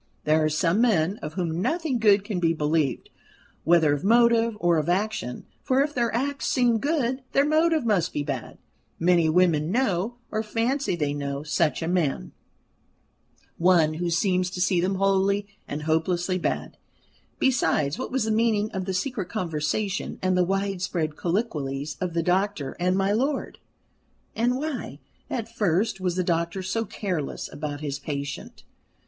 There are some men of whom nothing good can be believed, whether of motive or of action; for if their acts seem good, their motive must be bad. Many women know, or fancy they know, such a man one who seems to them wholly and hopelessly bad. Besides, what was the meaning of the secret conversation and the widespread colloquies of the doctor and my lord? And why, at first, was the doctor so careless about his patient?